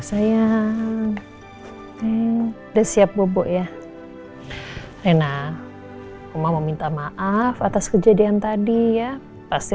saya udah siap bobo ya rena mau minta maaf atas kejadian tadi ya pasti